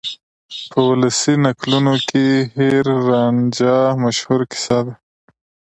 په ولسي نکلونو کې هیر رانجھا مشهوره کیسه ده.